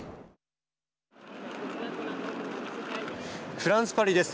フランス、パリです。